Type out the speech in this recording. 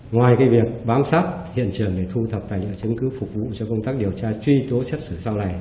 ngoài việc bám sát hiện trường để thu thập tài liệu chứng cứ phục vụ cho công tác điều tra truy tố xét xử sau này